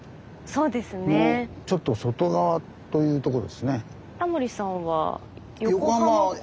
そうですね。のちょっと外側というとこですね。